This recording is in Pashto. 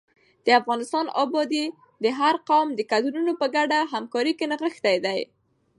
د افغانستان ابادي د هر قوم د کدرونو په ګډه همکارۍ کې نغښتې ده.